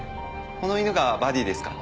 この犬がバディですか？